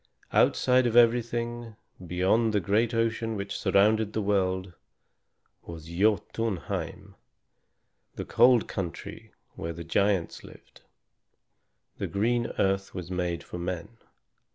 Outside of everything, beyond the great ocean which surrounded the world, was Jotunheim, the cold country where the giants lived. The green earth was made for men.